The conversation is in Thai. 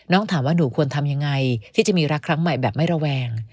ถามว่าหนูควรทำยังไงที่จะมีรักครั้งใหม่แบบไม่ระแวง